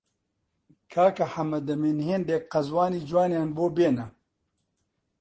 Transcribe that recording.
کاک حەمەدەمین هێندێک قەزوانی جوانیان بۆ بێنە!